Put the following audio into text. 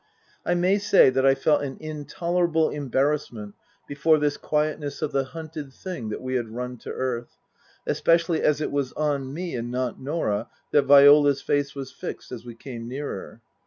I may say that I felt an intolerable embarrassment before this quietness of the hunted thing that we had run to earth ; especially as it was on me, and not Norah, that Viola's face was fixed as we came nearer.